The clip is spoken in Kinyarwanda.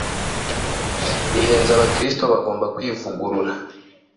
ihenze Abakristo bagomba kwivugurura